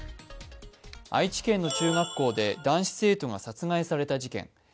愛知県の中学校で男子生徒が殺害された事件。